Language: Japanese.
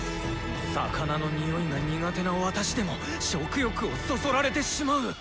魚のにおいが苦手な私でも食欲をそそられてしまう！